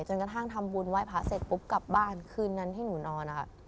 กระทั่งทำบุญไหว้พระเสร็จปุ๊บกลับบ้านคืนนั้นที่หนูนอนนะคะ